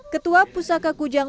ketua pusaka kujang